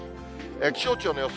気象庁の予想